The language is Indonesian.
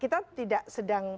kita tidak sedang